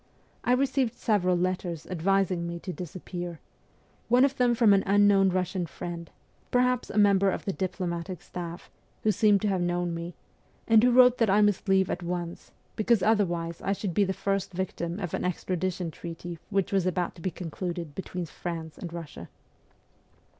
I received several letters advising me to disappear one of them from an unknown Eussian friend, perhaps a member of the diplomatic staff, who seemed to have known me, and who wrote that I must leave at once, because otherwise I should be the first victim of an extradition treaty which was about to be concluded between France and Eussia.